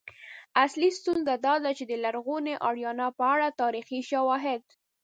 اصلی ستونزه دا ده چې د لرغونې آریانا په اړه تاریخي شواهد